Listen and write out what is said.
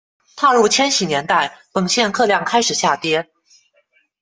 踏入千禧年代，本线客量开始下跌。